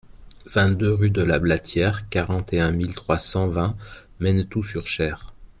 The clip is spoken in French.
vingt-deux rue de la Blatière, quarante et un mille trois cent vingt Mennetou-sur-Cher